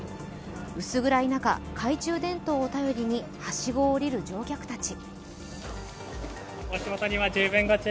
薄暗い中、懐中電灯を頼りにはしごを降りる乗客たち。